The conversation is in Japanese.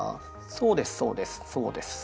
そうですそうですそうです。